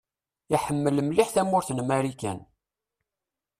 Iḥemmel mliḥ tamurt n Marikan.